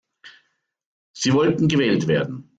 Sie wollten gewählt werden.